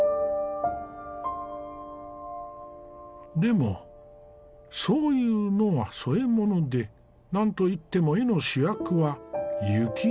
でもそういうのは添え物で何といっても絵の主役は雪だね。